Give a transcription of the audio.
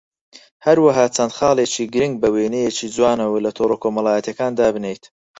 هەروەها چەند خاڵێکی گرنگ بە وێنەیەکی جوانەوە لە تۆڕە کۆمەڵایەتییەکان دابنێیت